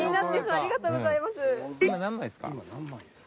ありがとうございます。